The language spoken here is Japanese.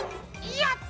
やった！